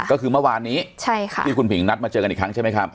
ก็คือเมื่อวานนี้ที่คุณผิงนัดมาเจอกันอีกครั้งใช่ไหมครับ